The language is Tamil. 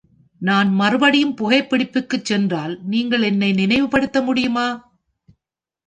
நான் மறுபடியும் புகைபிடிப்பிற்குச் சென்றால், நீங்கள் என்னை நினைவுபடுத்த முடியுமா?